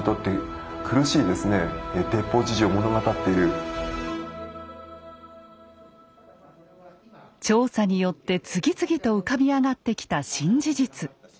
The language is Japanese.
そうするとさすれば調査によって次々と浮かび上がってきた新事実。